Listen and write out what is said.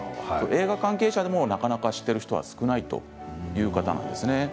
映画関係者でもなかなか知っている人は少ないという方なんですね。